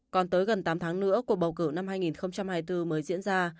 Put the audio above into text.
còn tới gần tám tháng nữa cuộc bầu cử năm hai nghìn hai mươi bốn mới diễn ra